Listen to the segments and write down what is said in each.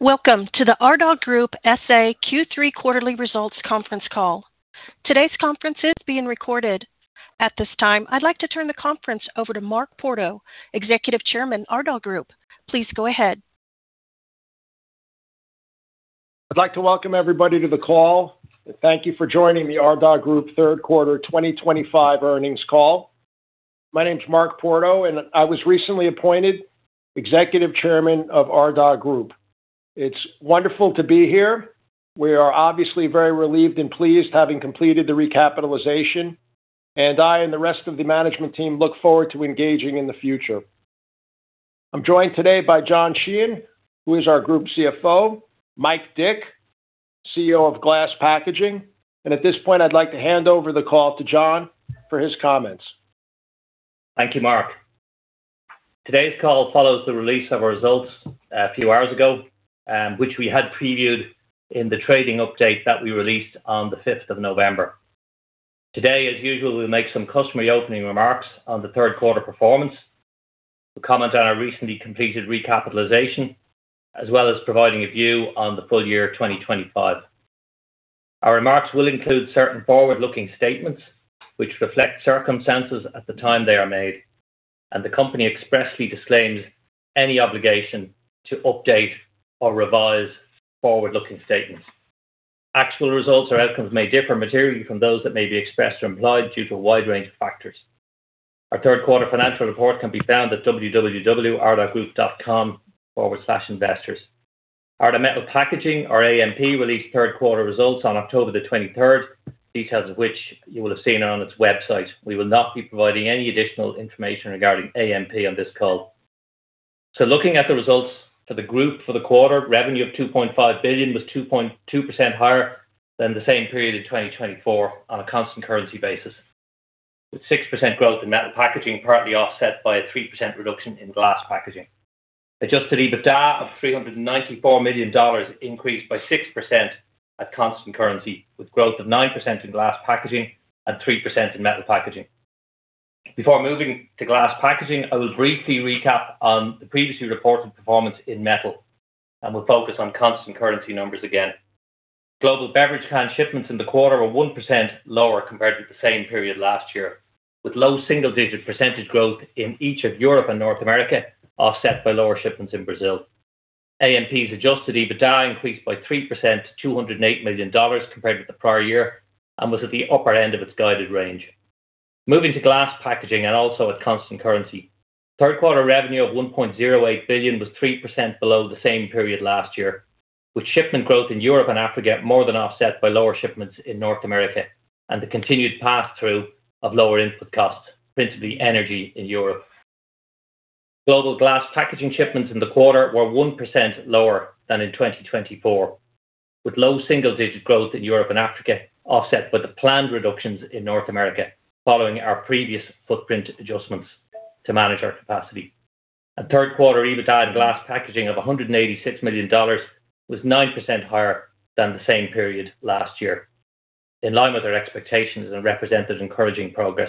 Welcome to the Ardagh Group S.A. Q3 Quarterly Results Conference Call. Today's conference is being recorded. At this time, I'd like to turn the conference over to Mark Porto, Executive Chairman, Ardagh Group. Please go ahead. I'd like to welcome everybody to the call. Thank you for joining the Ardagh Group Third Quarter 2025 earnings call. My name is Mark Porto, and I was recently appointed Executive Chairman of Ardagh Group. It's wonderful to be here. We are obviously very relieved and pleased having completed the recapitalization, and I and the rest of the management team look forward to engaging in the future. I'm joined today by John Sheehan, who is our Group CFO. Mike Dick, CEO of Glass Packaging. And at this point, I'd like to hand over the call to John for his comments. Thank you, Mark. Today's call follows the release of our results a few hours ago, which we had previewed in the trading update that we released on the 5th of November. Today, as usual, we'll make some customary opening remarks on the third quarter performance, comment on our recently completed recapitalization, as well as providing a view on the full year 2025. Our remarks will include certain forward-looking statements, which reflect circumstances at the time they are made, and the company expressly disclaims any obligation to update or revise forward-looking statements. Actual results or outcomes may differ materially from those that may be expressed or implied due to a wide range of factors. Our third quarter financial report can be found at www.ardaghgroup.com/investors. Ardagh Metal Packaging, or AMP, released third quarter results on October the 23rd, details of which you will have seen on its website. We will not be providing any additional information regarding AMP on this call. So, looking at the results for the Group for the quarter, revenue of $2.5 billion was 2.2% higher than the same period in 2024 on a constant currency basis, with 6% growth in metal packaging, partly offset by a 3% reduction in glass packaging. Adjusted EBITDA of $394 million increased by 6% at constant currency, with growth of 9% in glass packaging and 3% in metal packaging. Before moving to glass packaging, I will briefly recap the previously reported performance in metal, and we'll focus on constant currency numbers again. Global beverage canned shipments in the quarter were 1% lower compared with the same period last year, with low single-digit percentage growth in each of Europe and North America, offset by lower shipments in Brazil. AMP's adjusted EBITDA increased by 3% to $208 million compared with the prior year and was at the upper end of its guided range. Moving to glass packaging and also at constant currency, third quarter revenue of $1.08 billion was 3% below the same period last year, with shipment growth in Europe and Africa more than offset by lower shipments in North America and the continued pass-through of lower input costs, principally energy in Europe. Global glass packaging shipments in the quarter were 1% lower than in 2024, with low single-digit growth in Europe and Africa, offset by the planned reductions in North America following our previous footprint adjustments to manage our capacity. And third quarter EBITDA in glass packaging of $186 million was 9% higher than the same period last year, in line with our expectations and represented encouraging progress.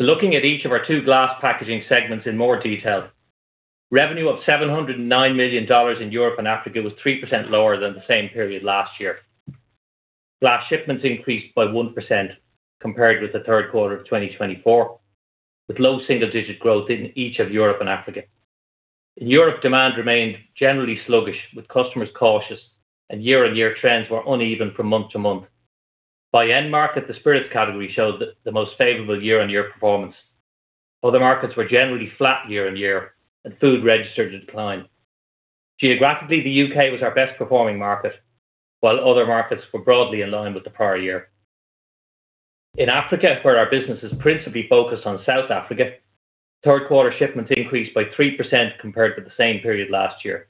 Looking at each of our two glass packaging segments in more detail, revenue of $709 million in Europe and Africa was 3% lower than the same period last year. Glass shipments increased by 1% compared with the third quarter of 2024, with low single-digit growth in each of Europe and Africa. In Europe, demand remained generally sluggish, with customers cautious, and year-on-year trends were uneven from month to month. By end market, the spirits category showed the most favorable year-on-year performance. Other markets were generally flat year-on-year, and food registered a decline. Geographically, the U.K. was our best-performing market, while other markets were broadly in line with the prior year. In Africa, where our business is principally focused on South Africa, third quarter shipments increased by 3% compared with the same period last year.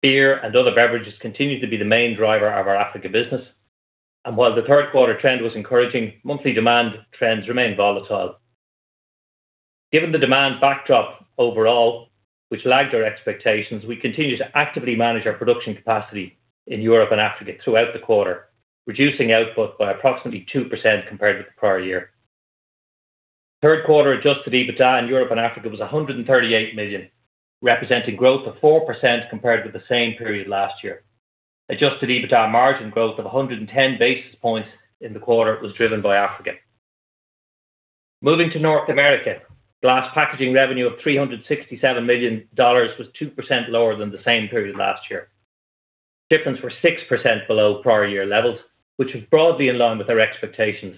Beer and other beverages continued to be the main driver of our Africa business, and while the third quarter trend was encouraging, monthly demand trends remained volatile. Given the demand backdrop overall, which lagged our expectations, we continued to actively manage our production capacity in Europe and Africa throughout the quarter, reducing output by approximately 2% compared with the prior year. Third quarter adjusted EBITDA in Europe and Africa was $138 million, representing growth of 4% compared with the same period last year. Adjusted EBITDA margin growth of 110 basis points in the quarter was driven by Africa. Moving to North America, glass packaging revenue of $367 million was 2% lower than the same period last year. Shipments were 6% below prior year levels, which was broadly in line with our expectations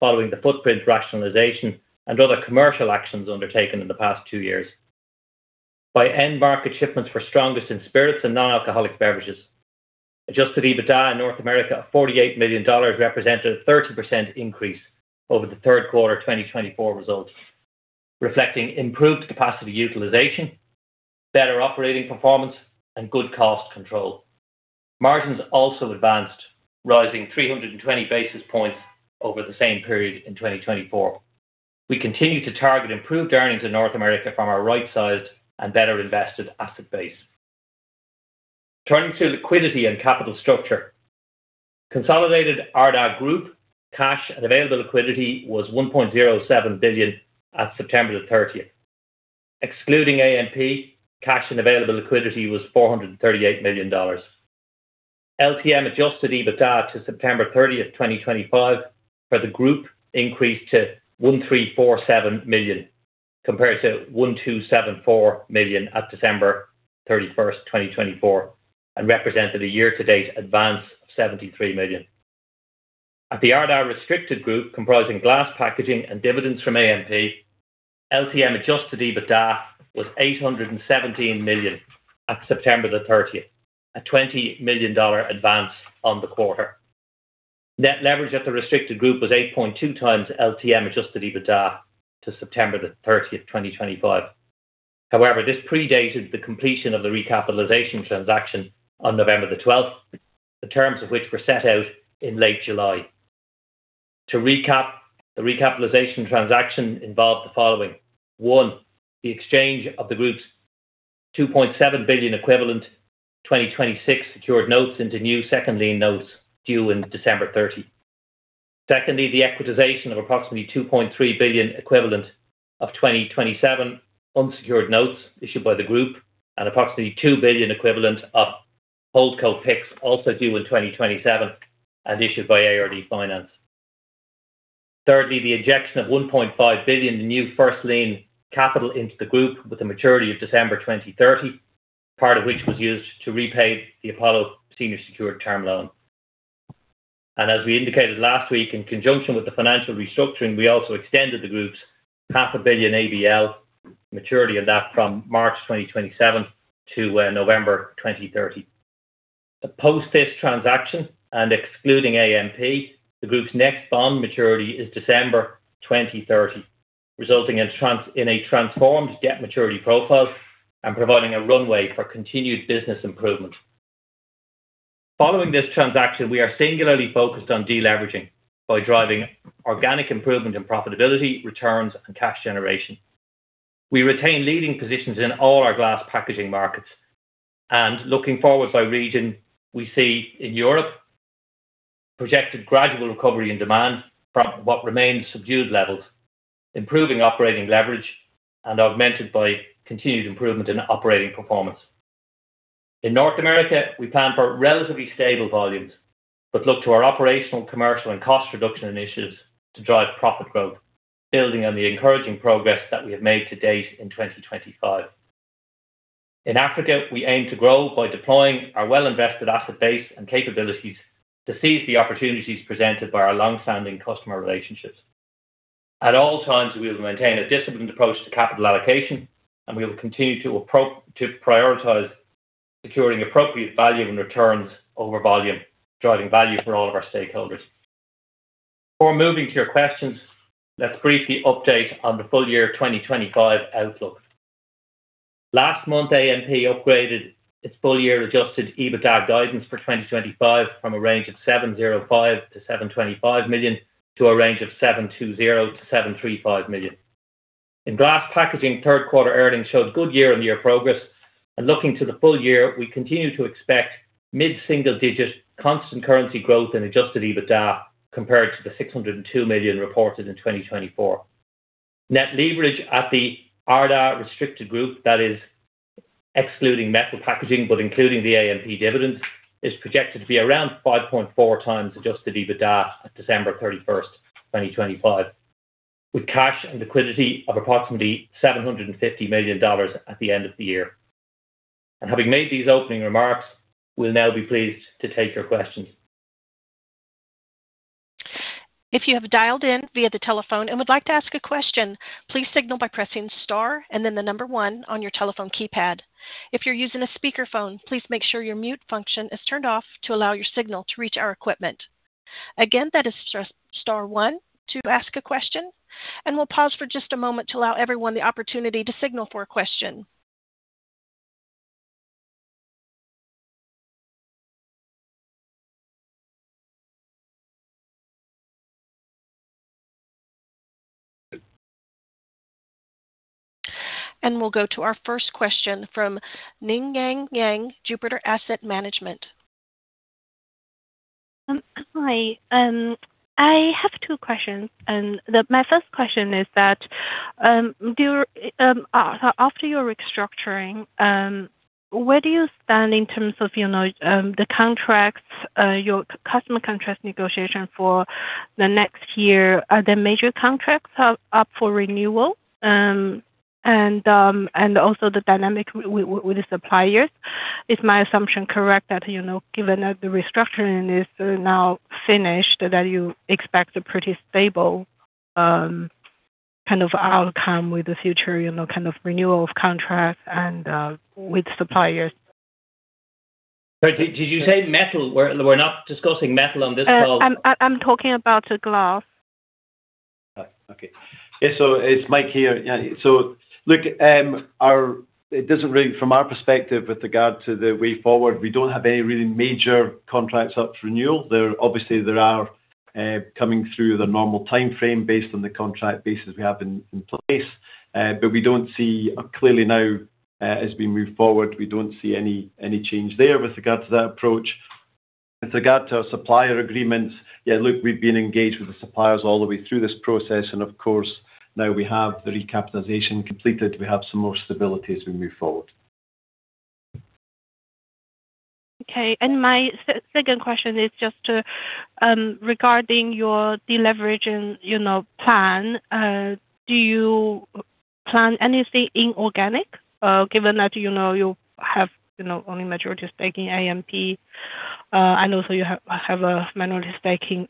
following the footprint rationalization and other commercial actions undertaken in the past two years. By end market, shipments were strongest in spirits and non-alcoholic beverages. Adjusted EBITDA in North America of $48 million represented a 30% increase over the third quarter 2024 results, reflecting improved capacity utilization, better operating performance, and good cost control. Margins also advanced, rising 320 basis points over the same period in 2024. We continue to target improved earnings in North America from our right-sized and better-invested asset base. Turning to liquidity and capital structure, consolidated Ardag Group cash and available liquidity was $1.07 billion at September the 30th. Excluding AMP, cash and available liquidity was $438 million. LTM adjusted EBITDA to September 30th, 2025, for the Group increased to $1,347 million compared to $1,274 million at December 31st, 2024, and represented a year-to-date advance of $73 million. At the Ardah restricted Group, comprising glass packaging and dividends from AMP, LTM adjusted EBITDA was $817 million at September the 30th, a $20 million advance on the quarter. Net leverage at the restricted Group was 8.2 times LTM adjusted EBITDA to September the 30th, 2025. However, this predated the completion of the recapitalization transaction on November the 12th, the terms of which were set out in late July. To recap, the recapitalization transaction involved the following: one, the exchange of the Group's $2.7 billion equivalent 2026 secured notes into new second-line notes due in December 30. Secondly, the equitization of approximately $2.3 billion equivalent of 2027 unsecured notes issued by the Group and approximately $2 billion equivalent of hold co-picks also due in 2027 and issued by ARD Finance. Thirdly, the injection of $1.5 billion in new first-line capital into the Group with a maturity of December 2030, part of which was used to repay the Apollo Senior Secured Term Loan. And as we indicated last week, in conjunction with the financial restructuring, we also extended the Group's half a billion ABL maturity and that from March 2027 to November 2030. Post this transaction, and excluding AMP, the Group's next bond maturity is December 2030, resulting in a transformed debt maturity profile and providing a runway for continued business improvement. Following this transaction, we are singularly focused on deleveraging by driving organic improvement in profitability, returns, and cash generation. We retain leading positions in all our glass packaging markets, and looking forward by region, we see in Europe projected gradual recovery in demand from what remains subdued levels, improving operating leverage, and augmented by continued improvement in operating performance. In North America, we plan for relatively stable volumes but look to our operational, commercial, and cost reduction initiatives to drive profit growth, building on the encouraging progress that we have made to date in 2025. In Africa, we aim to grow by deploying our well-invested asset base and capabilities to seize the opportunities presented by our long-standing customer relationships. At all times, we will maintain a disciplined approach to capital allocation, and we will continue to prioritize securing appropriate value and returns over volume, driving value for all of our stakeholders. Before moving to your questions, let's briefly update on the full year 2025 outlook. Last month, AMP upgraded its full-year adjusted EBITDA guidance for 2025 from a range of $705 million-$725 million to a range of $720 million-$735 million. In glass packaging, third quarter earnings showed good year-on-year progress, and looking to the full year, we continue to expect mid-single-digit constant currency growth in adjusted EBITDA compared to the $602 million reported in 2024. Net leverage at the Ardah restricted Group, that is, excluding metal packaging but including the AMP dividends, is projected to be around 5.4 times adjusted EBITDA at December 31st, 2025, with cash and liquidity of approximately $750 million at the end of the year. And having made these opening remarks, we'll now be pleased to take your questions. If you have dialed in via the telephone and would like to ask a question, please signal by pressing Star and then the number one on your telephone keypad. If you're using a speakerphone, please make sure your mute function is turned off to allow your signal to reach our equipment. Again, that is Star one to ask a question, and we'll pause for just a moment to allow everyone the opportunity to signal for a question. And we'll go to our first question from Ning Yang Yang, Jupiter Asset Management. Hi. I have two questions. My first question is that after your restructuring, where do you stand in terms of the contracts, your customer contract negotiation for the next year? Are the major contracts up for renewal? And also the dynamic with the suppliers, is my assumption correct that given that the restructuring is now finished, that you expect a pretty stable kind of outcome with the future kind of renewal of contracts and with suppliers? Did you say metal? We're not discussing metal on this call. I'm talking about the glass. Okay. Yeah. So it's Mike here. So look, from our perspective with regard to the way forward, we don't have any really major contracts up for renewal. Obviously, there are coming through the normal timeframe based on the contract basis we have in place, but we don't see clearly now as we move forward, we don't see any change there with regard to that approach. With regard to our supplier agreements, yeah, look, we've been engaged with the suppliers all the way through this process, and of course, now we have the recapitalization completed, we have some more stability as we move forward. Okay. And my second question is just regarding your deleveraging plan. Do you plan anything in organic given that you have only majority staking AMP and also you have a manually staking?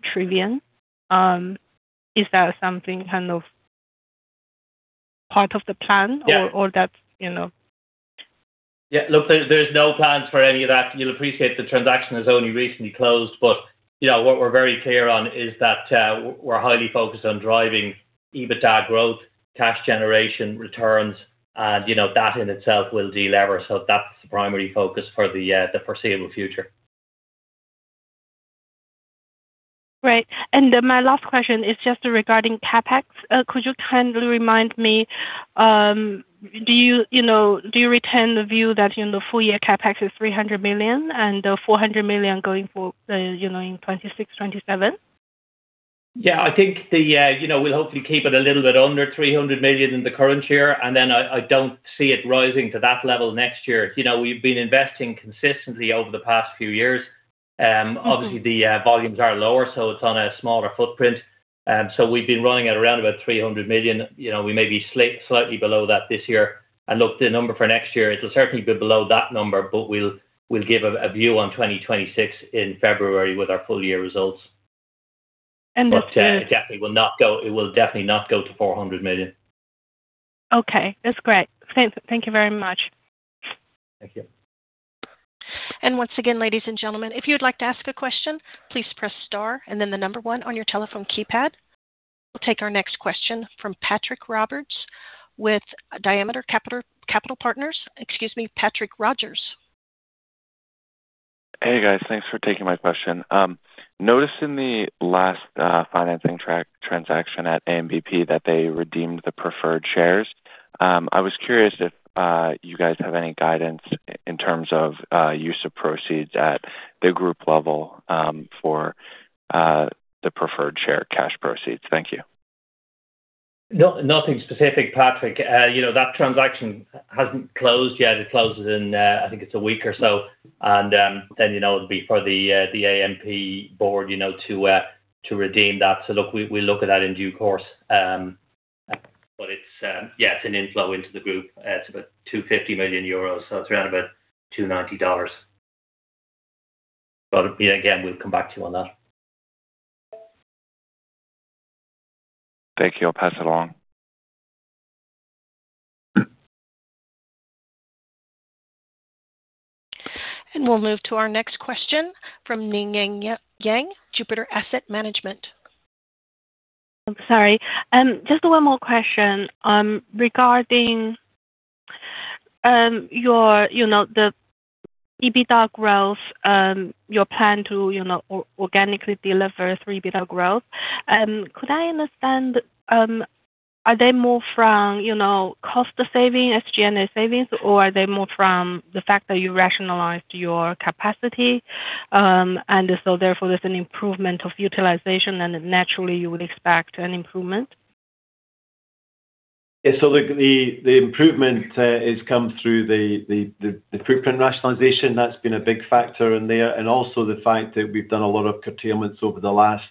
Is that something kind of part of the plan or that? Yeah. Look, there's no plans for any of that. You'll appreciate the transaction has only recently closed, but what we're very clear on is that we're highly focused on driving EBITDA growth, cash generation, returns, and that in itself will delever. So that's the primary focus for the foreseeable future. Right. And my last question is just regarding CapEx. Could you kindly remind me, do you retain the view that full-year CapEx is $300 million and $400 million going forward in '26, '27? Yeah. I think we'll hopefully keep it a little bit under $300 million in the current year, and then I don't see it rising to that level next year. We've been investing consistently over the past few years. Obviously, the volumes are lower, so it's on a smaller footprint. So we've been running at around about $300 million. We may be slightly below that this year. And look, the number for next year, it'll certainly be below that number, but we'll give a view on 2026 in February with our full-year results. And. But definitely will not go it will definitely not go to $400 million. Okay. That's great. Thank you very much. And once again, ladies and gentlemen, if you'd like to ask a question, please press Star and then the number one on your telephone keypad. We'll take our next question from Patrick Roberts with Diameter Capital Partners. Excuse me, Patrick Rogers. Hey, guys. Thanks for taking my question. Noticed in the last financing transaction at AMBP that they redeemed the preferred shares. I was curious if you guys have any guidance in terms of use of proceeds at the Group level for the preferred share cash proceeds. Thank you. Nothing specific, Patrick. That transaction hasn't closed yet. It closes in, I think it's a week or so, and then it'll be for the AMP board to redeem that. So look, we'll look at that in due course. But yeah, it's an inflow into the Group. It's about 250 million euros, so it's around about $290. But yeah, again, we'll come back to you on that. Thank you. I'll pass it along. And we'll move to our next question from Ning Yang, Jupiter Asset Management. I'm sorry. Just one more question regarding the EBITDA growth, your plan to organically deliver through EBITDA growth. Could I understand, are they more from cost savings, SG&A savings, or are they more from the fact that you rationalized your capacity and so therefore there's an improvement of utilization and naturally you would expect an improvement? Yeah. So look, the improvement has come through the footprint rationalization. That's been a big factor in there. And also the fact that we've done a lot of curtailments over the last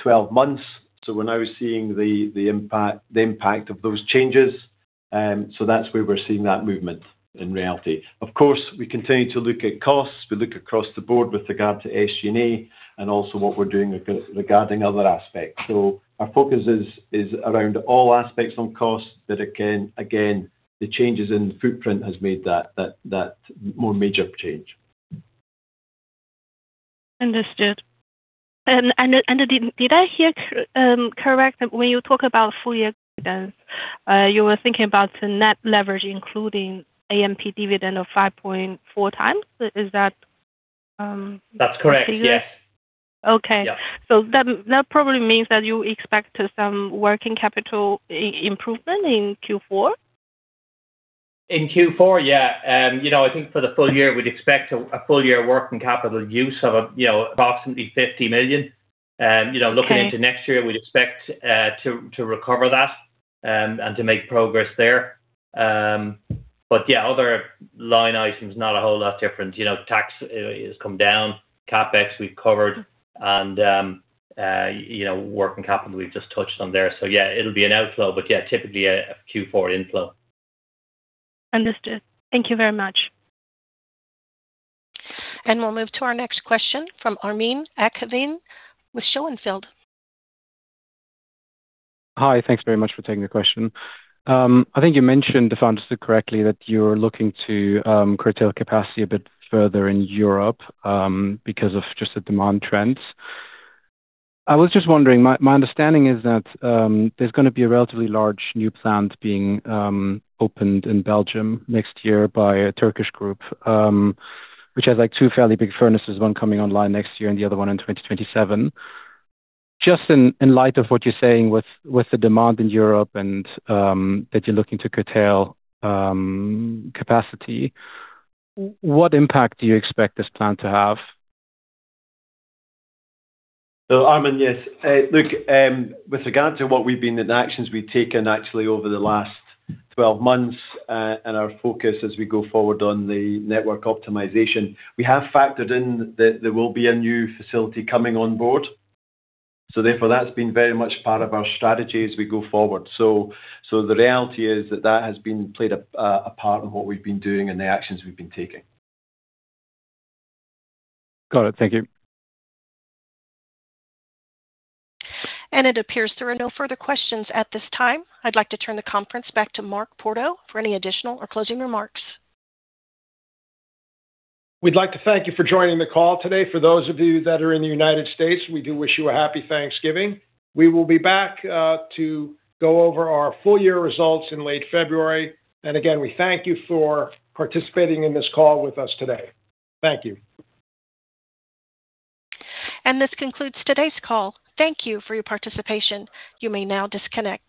12 months. So we're now seeing the impact of those changes. So that's where we're seeing that movement in reality. Of course, we continue to look at costs. We look across the board with regard to SG&A and also what we're doing regarding other aspects. So our focus is around all aspects on costs, but again, the changes in footprint have made that more major change. Understood. And did I hear correct that when you talk about full-year guidance, you were thinking about net leverage including AMP dividend of 5.4 times? Is that? That's correct. Yes. Okay. So that probably means that you expect some working capital improvement in Q4? In Q4, yeah. I think for the full year, we'd expect a full-year working capital use of approximately $50 million. Looking into next year, we'd expect to recover that and to make progress there. But yeah, other line items, not a whole lot different. Tax has come down. CapEx, we've covered. And working capital, we've just touched on there. So yeah, it'll be an outflow, but yeah, typically a Q4 inflow. Understood. Thank you very much. And we'll move to our next question from Armin Akavin with Schoenfeld. Hi. Thanks very much for taking the question. I think you mentioned the founders correctly that you're looking to curtail capacity a bit further in Europe because of just the demand trends. I was just wondering, my understanding is that there's going to be a relatively large new plant being opened in Belgium next year by a Turkish group, which has two fairly big furnaces, one coming online next year and the other one in 2027. Just in light of what you're saying with the demand in Europe and that you're looking to curtail capacity, what impact do you expect this plant to have? So Armin, yes. Look, with regard to what we've been in actions we've taken actually over the last 12 months and our focus as we go forward on the network optimization, we have factored in that there will be a new facility coming on board. So therefore, that's been very much part of our strategy as we go forward. So the reality is that that has been played a part in what we've been doing and the actions we've been taking. Got it. Thank you. And it appears there are no further questions at this time. I'd like to turn the conference back to Mark Porto for any additional or closing remarks. We'd like to thank you for joining the call today. For those of you that are in the United States, we do wish you a happy Thanksgiving. We will be back to go over our full-year results in late February. And again, we thank you for participating in this call with us today. Thank you. And this concludes today's call. Thank you for your participation. You may now disconnect.